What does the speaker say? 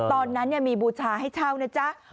ตอนนั้นมีบูชาให้เช่านะจ๊ะ